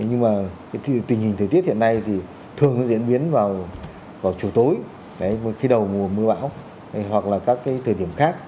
nhưng mà tình hình thời tiết hiện nay thì thường nó diễn biến vào chiều tối khi đầu mùa mưa bão hoặc là các thời điểm khác